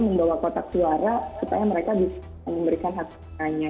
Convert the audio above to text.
membawa kotak suara supaya mereka bisa memberikan haknya